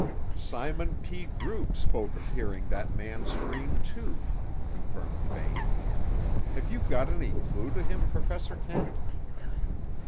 "Simon P. Groot spoke of hearing that man's scream, too," confirmed Bain. "Have you got any clue to him, Professor Kent?"